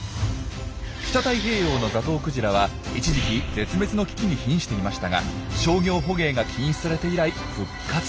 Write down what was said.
北太平洋のザトウクジラは一時期絶滅の危機に瀕していましたが商業捕鯨が禁止されて以来復活。